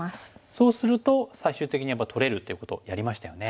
そうすると最終的に取れるということをやりましたよね。